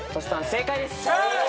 正解です。